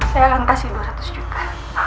saya akan kasih dua ratus juta